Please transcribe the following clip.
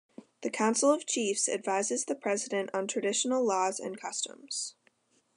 The Council of Chiefs advises the president on traditional laws and customs.